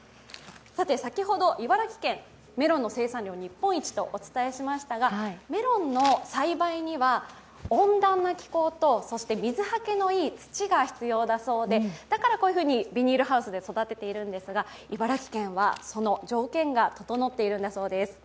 先ほど、茨城県メロンの生産量日本一とお伝えしましたがメロンの栽培には、温暖な気候と水はけのよい土が必要だそうで、だからこういうふうにビニールハウスで育てているんですが、茨城県はその条件が整っているんだそうです。